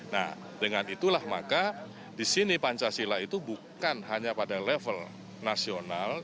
nah dengan itulah maka di sini pancasila itu bukan hanya pada level nasional